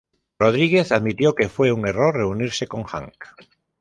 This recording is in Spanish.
Rodríguez admitió que fue un error reunirse con Hank.